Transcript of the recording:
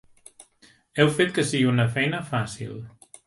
Heu fet que sigui una feina fàcil!